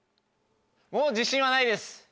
もう自信はないです。